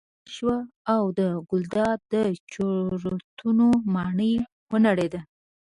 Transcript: جمعه خلاصه شوه او د ګلداد د چورتونو ماڼۍ ونړېده.